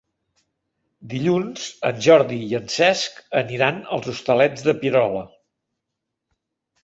Dilluns en Jordi i en Cesc aniran als Hostalets de Pierola.